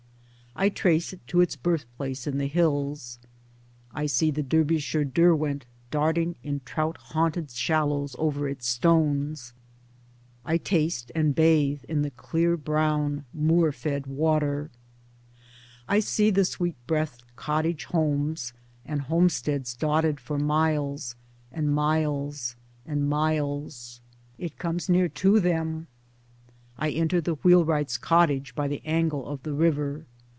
I trace it to its birthplace in the Towards Democracy 55 hills. I see the Derbyshire Derwent darting in trout haunted shallows over its stones. I taste and bathe in the clear brown moor fed water. I see the sweet breathed cottage homes and homesteads dotted for miles and miles and miles. It comes near to them. I enter the wheelwright's cottage by the angle of the river.